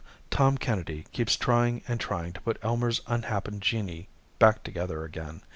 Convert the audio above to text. Tom Kennedy keeps trying and trying to put Elmer's unhappen genii back together again.